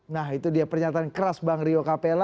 nah itu dia pernyataan keras bang rio capella